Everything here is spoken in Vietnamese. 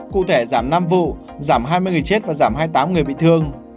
cụ thể giảm năm vụ giảm hai mươi người chết và giảm hai mươi tám người bị thương